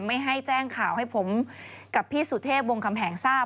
ไม่ให้แจ้งข่าวให้ผมกับพี่สุเทพวงคำแหงทราบ